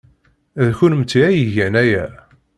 D kennemti ay igan aya.